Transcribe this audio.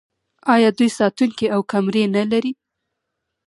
آیا دوی ساتونکي او کمرې نلري؟